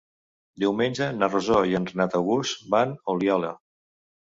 Diumenge na Rosó i en Renat August van a Oliola.